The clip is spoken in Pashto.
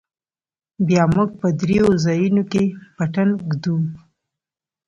بيا موږ په درېو ځايونو کښې پټن ږدو.